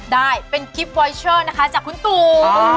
ได้เป็นกิฟต์วอยเชอร์นะคะจากคุณตู